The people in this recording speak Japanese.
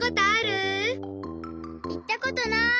いったことない。